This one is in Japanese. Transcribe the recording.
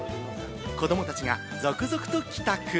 子供たちが続々と帰宅。